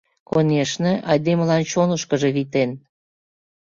Конешне, айдемылан чонышкыжо витен.